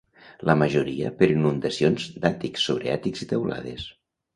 La majoria per inundacions d'àtics, sobreàtics i teulades.